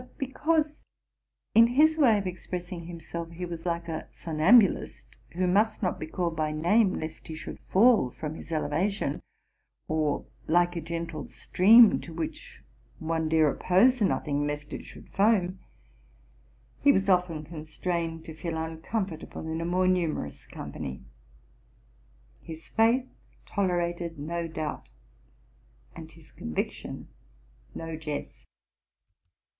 But because, in his way of ex pressing himself, he was like a somnambulist, who must not be called by name lest he should fall from his elevation, or like a gentle stream, to which one dare oppose nothing lest it should foam, he was often constrained to feel uncom fortable in a more numerous company. His faith tolerated no doubt, and his conviction no jest.